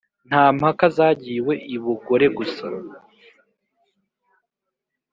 Nta mpaka zagiwe i Bugore-gusa*